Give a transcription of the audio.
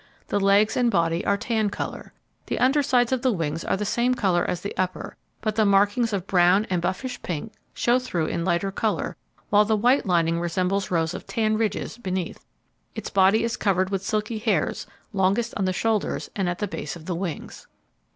The legs and body are tan colour. The undersides of the wings are the same as the upper, but the markings of brown and buffish pink show through in lighter colour, while the white lining resembles rows of tan ridges beneath. Its body is covered with silky hairs, longest on the shoulders, and at the base of the wings.